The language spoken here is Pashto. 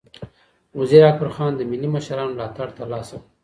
وزیر اکبرخان د ملي مشرانو ملاتړ ترلاسه کړ.